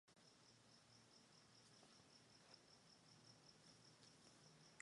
Aprendió a tocar el piano, la guitarra y la flauta.